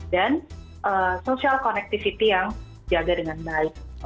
dan social connectivity yang jaga dengan baik